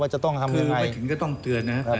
ว่าจะต้องทำอย่างไรคือแบบนี้ก็ต้องเตือนนะครับ